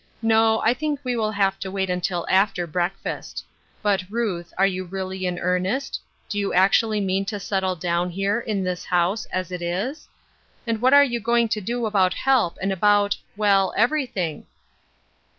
No, I think we will have to wait until after breakfast. But, Ruth, are you really in earnest? Do you actually mean to settle down here, in this house, as it is ? And what are you going to do about help, and about well, everything